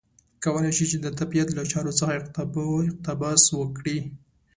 کولای شي چې د طبیعت له چارو څخه اقتباس وکړي.